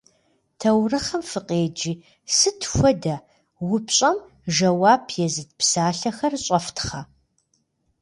Таурыхъым фыкъеджи, «сыт хуэдэ?» упщӏэм жэуап езыт псалъэхэр щӏэфтхъэ.